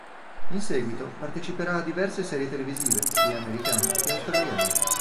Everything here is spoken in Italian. In seguito parteciperà a diverse serie televisive, sia americane che australiane.